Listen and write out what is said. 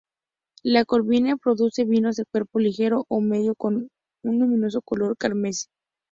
La corvina produce vinos de cuerpo ligero o medio con un luminoso color carmesí.